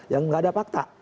yang nggak ada fakta